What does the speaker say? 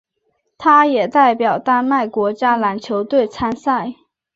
他也代表丹麦国家篮球队参赛。